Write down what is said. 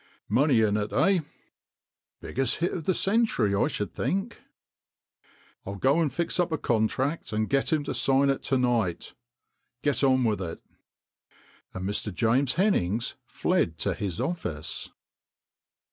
" Money in it, eh ?"" Biggest hit of the century, I should think." 202 THE CONJURER " I'll go and fix up a contract and get him to sign it to night. Get on with it." And Mr. James Hennings fled to his office.